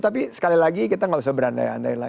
tapi sekali lagi kita gak usah berandai andai lah